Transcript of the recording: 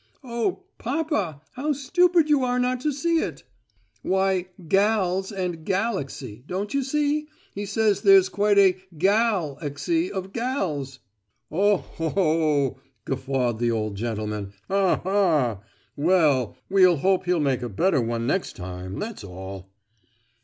"Oh, papa, how stupid you are not to see it. Why 'gals' and 'galaxy,' don't you see?—he says there's quite a gal axy of gals!" "Oh! oh!" guffawed the old gentleman, "Ha ha! Well, we'll hope he'll make a better one next time, that's all."